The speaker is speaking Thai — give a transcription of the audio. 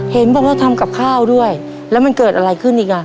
เห็นบอกว่าทำกับข้าวด้วยแล้วมันเกิดอะไรขึ้นอีกอ่ะ